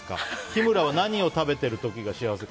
日村は何を食べてる時が幸せ？